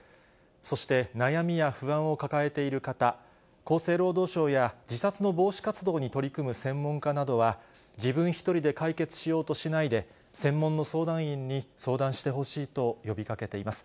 そして悩みや不安を抱えている方、厚生労働省や自殺の防止活動に取り組む専門家などは、自分１人で解決しようとしないで、専門の相談員に相談してほしいと呼びかけています。